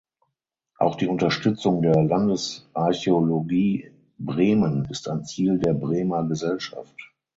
Auch die Unterstützung der Landesarchäologie Bremen ist ein Ziel der Bremer Gesellschaft.